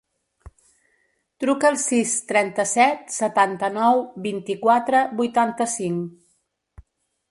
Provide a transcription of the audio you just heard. Truca al sis, trenta-set, setanta-nou, vint-i-quatre, vuitanta-cinc.